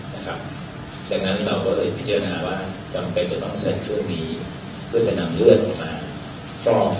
ดังนั้นเราก็เลยพิจารณาว่าจำเป็นจะปลาใส่เครื่องมีเพื่อจะนำเลือดปลาปรอม